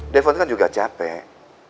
defon kan juga capek